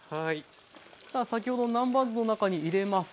さあ先ほどの南蛮酢の中に入れます。